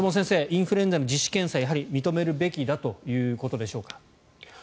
インフルエンザの自主検査を認めるべきだということでしょうか。